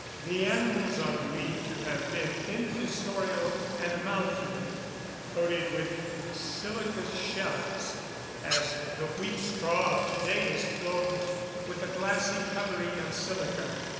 The animals are believed to have been infusorial animalculæ, coated with silicous shells, as the wheat straw of to day is clothed with a glassy covering of silica.